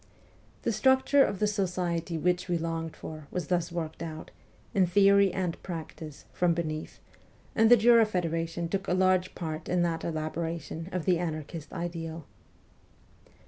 The structure of the society which we longed for was thus worked out, in theory and practice, from beneath, and the Jura Federation took a large part in that elaboration of the anarchist ideal.